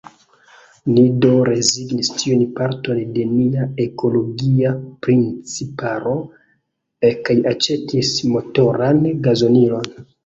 Ni do rezignis tiun parton de nia ekologia principaro kaj aĉetis motoran gazonilon.